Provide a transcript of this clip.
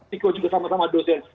tiko juga sama sama dosen